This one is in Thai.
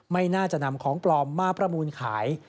ไม่น่าจะนำของปลอมมาประมูลขาย